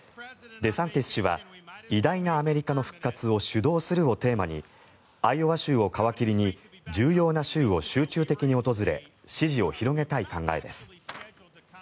デサンティス氏は偉大なアメリカの復活を主導するをテーマにアイオワ州を皮切りに重要な州を集中的に訪れ支持を広げたい考えです。